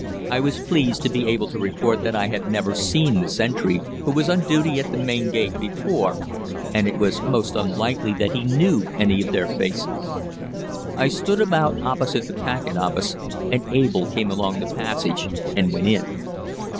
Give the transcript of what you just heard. I was pleased to be able to report that I had never seen the sentry, who was on duty at the main gate, before, and it was most unlikely that he knew any of their faces. I stood about opposite the packet office, and Abel came along the passage and went in.